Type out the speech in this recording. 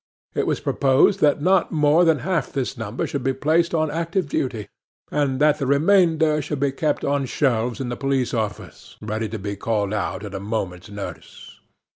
It was proposed that not more than half this number should be placed on active duty, and that the remainder should be kept on shelves in the police office ready to be called out at a moment's notice.